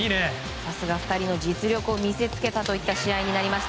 さすが２人の実力を見せつけたといった試合になりました。